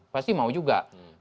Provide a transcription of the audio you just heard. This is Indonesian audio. pasti mau juga